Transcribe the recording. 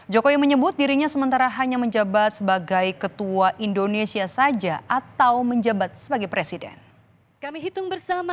jokowi menyebut dirinya sementara hanya menjabat sebagai ketua indonesia saja atau menjabat sebagai presiden